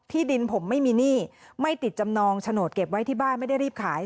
ดินผมไม่มีหนี้ไม่ติดจำนองโฉนดเก็บไว้ที่บ้านไม่ได้รีบขาย